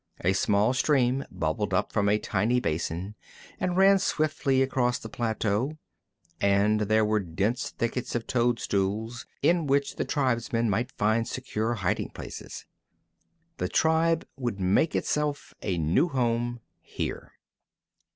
A small stream bubbled up from a tiny basin and ran swiftly across the plateau, and there were dense thickets of toadstools in which the tribesmen might find secure hiding places. The tribe would make itself a new home here.